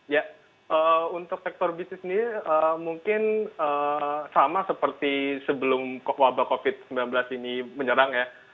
ya untuk sektor bisnis ini mungkin sama seperti sebelum wabah covid sembilan belas ini menyerang ya